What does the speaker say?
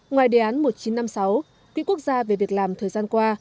ngoài đề án một nghìn chín trăm năm mươi sáu quỹ quốc gia về việc làm thời gian qua